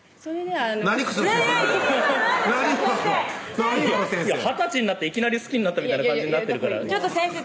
今の二十歳になっていきなり好きになったみたいな感じにちょっと先生